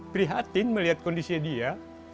prihatin melihat kondisi dia